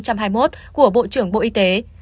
của bộ trưởng bộ y tế